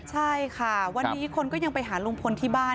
ใช่ค่ะวันนี้คนก็ยังไปหาลุงพลที่บ้าน